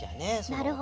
なるほど。